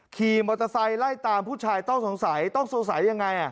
ขี่มอเตอร์ไซค์ไล่ตามผู้ชายต้องสงสัยต้องสงสัยยังไง